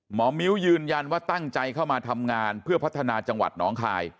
หมอมิ้วยืนยันว่าตั้งใจเข้ามาทำงานเพื่อพัฒนาจังหวัดน้องคาย